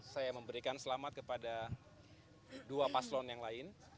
saya memberikan selamat kepada dua paslon yang lain